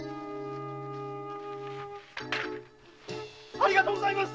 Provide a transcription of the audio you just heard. ありがとうございます！